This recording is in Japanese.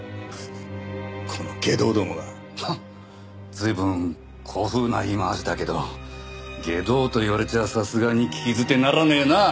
随分古風な言い回しだけど外道と言われちゃさすがに聞き捨てならねえな！